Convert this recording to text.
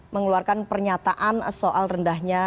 mengeluarkan pernyataan soal rendahnya